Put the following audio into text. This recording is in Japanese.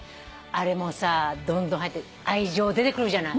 あれもさどんどん生えて愛情出てくるじゃない。